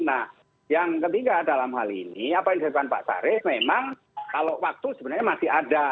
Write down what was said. nah yang ketiga dalam hal ini apa yang disampaikan pak sarif memang kalau waktu sebenarnya masih ada